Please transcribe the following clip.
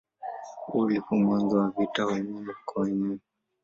Huo ulikuwa mwanzo wa vita ya wenyewe kwa wenyewe.